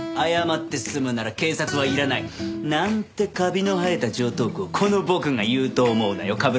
謝って済むなら警察はいらない。なんてカビの生えた常套句をこの僕が言うと思うなよ